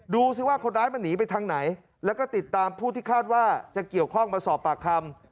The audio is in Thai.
ดูสิว่าคนร้ายมันหนีไปทางไหนแล้วก็ติดตามผู้ที่คาดว่าจะเกี่ยวข้องมาสอบปากคำ